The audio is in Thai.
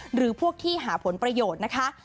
หรือพวกที่หาผลประโยชน์นะคะ